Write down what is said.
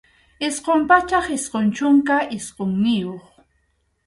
Isqun pachak isqun chunka isqunniyuq.